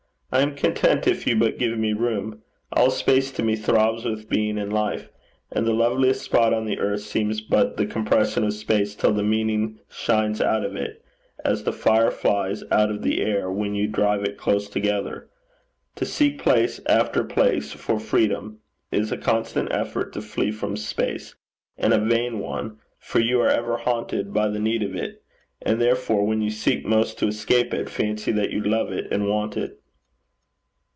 I am content if you but give me room. All space to me throbs with being and life; and the loveliest spot on the earth seems but the compression of space till the meaning shines out of it, as the fire flies out of the air when you drive it close together. To seek place after place for freedom, is a constant effort to flee from space, and a vain one, for you are ever haunted by the need of it, and therefore when you seek most to escape it, fancy that you love it and want it.'